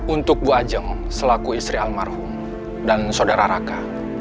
untuk bu ajeng selaku istri almarhum dan saudara raka